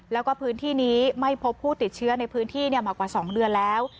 แล้วก็พื้นที่นี้ไม่พบผู้ติดเชื้อในพื้นที่มากว่า๒เดือนแล้ว